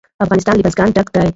افغانستان له بزګان ډک دی.